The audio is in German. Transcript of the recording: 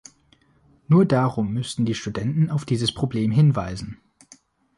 Nur darum müssten die Studenten auf dieses Problem hinweisen.